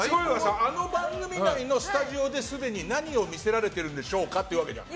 あの番組内のスタジオですでに何を見せられてるんでしょうかって感じじゃん。